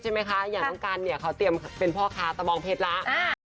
ใช่แล้วก็แขนเป็นเรื่องอื่นนิดหน่อย